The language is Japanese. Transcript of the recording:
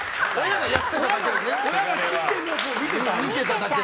親が切ってるのを見てた。